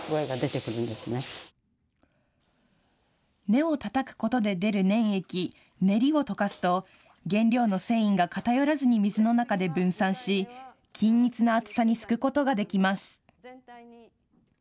根をたたくことで出る粘液、ねりを溶かすと原料の繊維が偏らずに水の中で分散し均一な厚さにすくことができます。